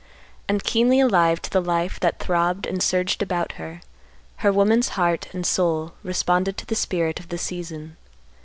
And, keenly alive to the life that throbbed and surged about her, her woman's heart and soul responded to the spirit of the season.